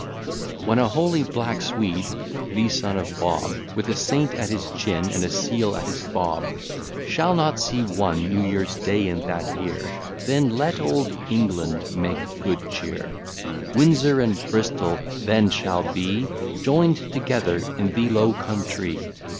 _ When a holy black Swede, the son of Bob, With a saint at his chin and a seal at his fob, Shall not see one New Years day in that year, Then let old England make good cheer: Windsor and Bristol then shall be Joined together in the Low countree.